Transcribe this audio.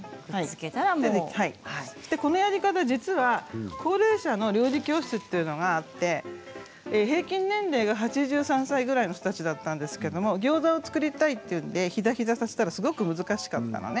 このやり方、高齢者の料理教室というのがあって平均年齢が８３歳ぐらいの人たちだったんですけどギョーザを作りたいと言ってひだひだをさせたらすごく難しかったのね。